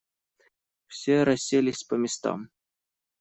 Все расселись по местам.